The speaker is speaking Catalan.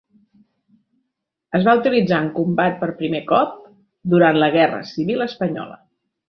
Es va utilitzar en combat per primer cop durant la Guerra civil espanyola.